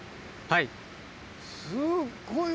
はい。